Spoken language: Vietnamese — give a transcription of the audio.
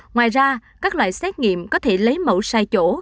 ngoài ra các loại xét nghiệm có thể lấy mẫu sai chỗ